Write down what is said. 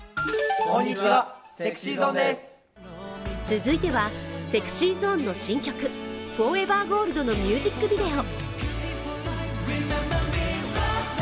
続いては、ＳｅｘｙＺｏｎｅの新曲「ＦｏｒｅｖｅｒＧｏｌｄ」のミュージックビデオ。